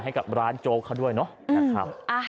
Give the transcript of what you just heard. ให้กับร้านโจ๊กเขาด้วยเนอะอยากขอบ